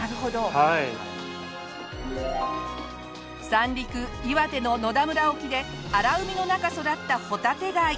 三陸岩手の野田村沖で荒海の中育ったホタテガイ。